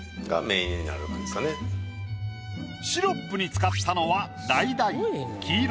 シロップに使ったのは。